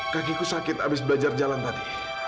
kakiku sakit habis belajar jalan tadi